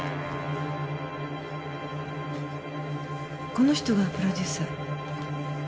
この人がプロデューサー。